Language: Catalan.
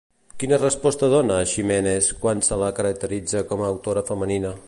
Quina resposta dona, Ximenez, quan se la caracteritza com a autora femenina?